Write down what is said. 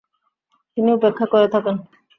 তিনি উপেক্ষা করে থাকেন।